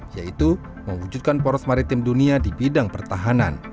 yaitu mewujudkan poros maritim dunia di bidang pertahanan